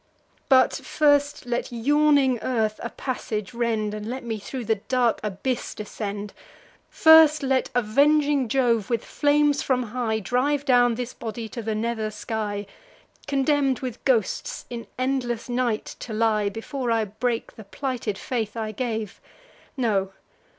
But first let yawning earth a passage rend, And let me thro' the dark abyss descend; First let avenging Jove, with flames from high, Drive down this body to the nether sky, Condemn'd with ghosts in endless night to lie, Before I break the plighted faith I gave! No!